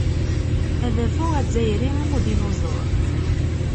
Adabu azzayri am udinuẓur.